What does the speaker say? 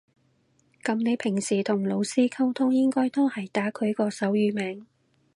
噉你平時同老師溝通應該都係打佢個手語名